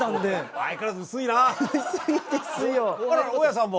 あら大家さんも。